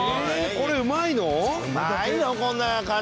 これうまいの？